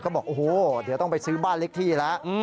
ก็บอกโอ้โหเดี๋ยวต้องไปซื้อบ้านเลขที่แล้ว